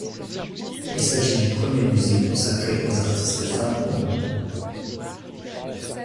Il s'agit du premier musée consacré aux artistes femmes au monde.